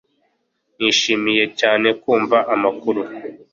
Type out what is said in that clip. Nishimiye cyane kumva amakuru